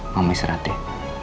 mama istirahat deh